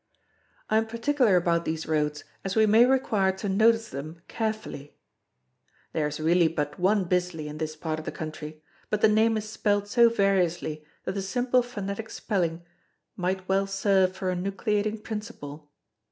I am particular about these roads as we may require to notice them carefully. There is really but one Bisley in this part of the country, but the name is spelled so variously that the simple phonetic spelling might well serve for a nucleating principle.